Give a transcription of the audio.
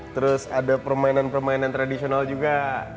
terus ada permainan permainan tradisional juga